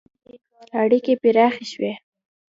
• اړیکې پراخې شوې.